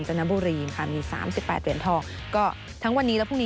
จะแข่งขันกันจนถึงถึงวันพรุ่งนี้